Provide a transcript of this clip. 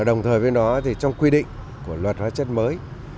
đồng thời với nó thì trong quy định của luật hóa chất mới